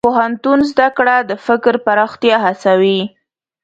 د پوهنتون زده کړه د فکر پراختیا هڅوي.